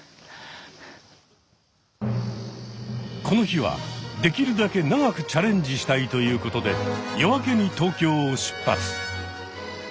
この日はできるだけ長くチャレンジしたいということで夜明けに東京を出発。